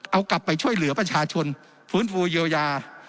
เอากลับไปช่วยเหลือประชาชนฟื้นฟูเยียวยา